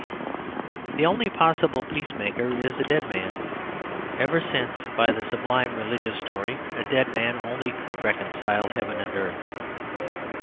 The only possible peacemaker is a dead man, ever since by the sublime religious story a dead man only could reconcile heaven and earth.